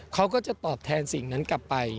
เขาก็จะตอบแทนสิ่งนั้นกลับไป